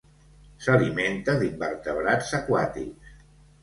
S'alimenta d'invertebrats aquàtics.